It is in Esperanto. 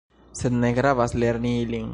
Sed ne gravas lerni ilin.